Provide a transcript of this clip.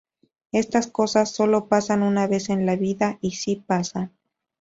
Estas cosas sólo pasan una vez en la vida, y si pasan.